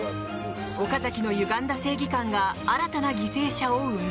岡崎のゆがんだ正義感が新たな犠牲者を生む。